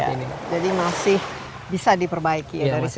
iya jadi masih bisa diperbaiki ya dari segi frekuensi